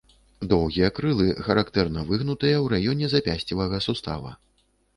Доўгія крылы характэрна выгнутыя ў раёне запясцевага сустава.